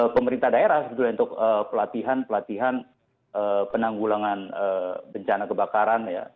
pemerintah daerah untuk pelatihan pelatihan penanggulangan bencana kebakaran